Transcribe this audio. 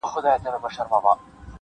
د اسمان په خوښه دلته اوسېده دي -